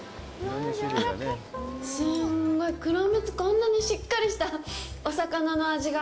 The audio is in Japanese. あっ、すんごい、クロムツこんなにしっかりしたお魚の味が。